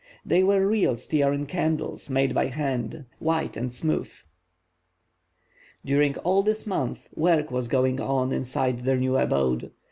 They were real stearine candles, made by hand, white and smooth. During all this month work was going on inside their new abode.